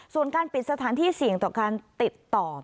ส่วนการปิดสถานที่เสี่ยงต่อการติดต่อ